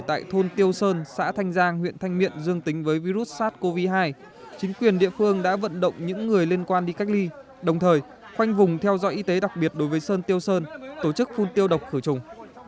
tại thôn tiêu sơn xã thanh giang huyện thanh miện dương tính với virus sars cov hai chính quyền địa phương đã vận động những người liên quan đi cách ly đồng thời khoanh vùng theo dõi y tế đặc biệt đối với sơn tiêu sơn tổ chức phun tiêu độc khử trùng